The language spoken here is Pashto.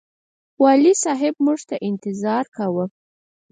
والي صاحب موږ ته انتظار کاوه.